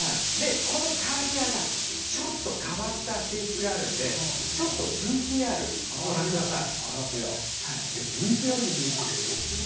このカラテアはちょっと変わった性質があるのでＶＴＲご覧ください。